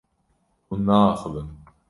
Hûn naaxivin.